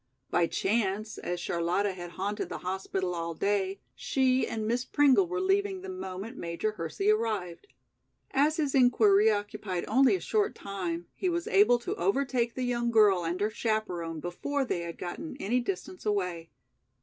By chance, as Charlotta had haunted the hospital all day, she and Miss Pringle were leaving the moment Major Hersey arrived. As his inquiry occupied only a short time, he was able to overtake the young girl and her chaperon before they had gotten any distance away.